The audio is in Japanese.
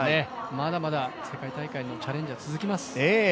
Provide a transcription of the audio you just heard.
まだまだ世界大会へのチャレンジは続きます。